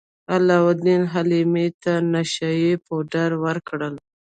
علاوالدین حلیمې ته نشه يي پوډر ورکړل.